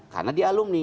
karena di alumni